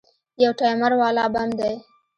يو ټايمر والا بم دى.